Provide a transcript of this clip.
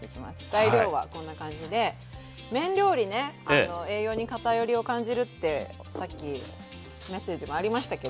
材料はこんな感じで麺料理ね栄養に偏りを感じるってさっきメッセージもありましたけど